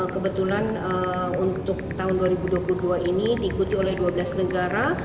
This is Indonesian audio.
kebetulan untuk tahun dua ribu dua puluh dua ini diikuti oleh dua belas negara